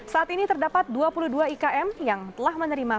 saat ini terdapat dua puluh dua ikm yang telah menerima